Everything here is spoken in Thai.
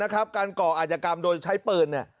การก่ออาจกรรมโดยใช้ปืน